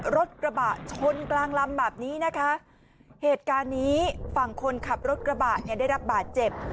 รถกระบะชนกลางลำแบบนี้นะคะเหตุการณ์นี้ฝั่งคนขับรถกระบะเนี่ยได้รับบาดเจ็บ